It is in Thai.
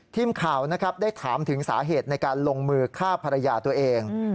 ทีมข่าวนะครับได้ถามถึงสาเหตุในการลงมือฆ่าภรรยาตัวเอง